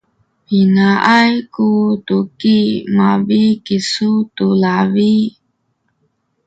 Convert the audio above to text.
pinaay ku tuki mabi’ kisu tu labi?